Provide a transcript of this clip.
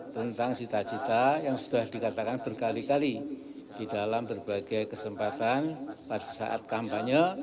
tentang cita cita yang sudah dikatakan berkali kali di dalam berbagai kesempatan pada saat kampanye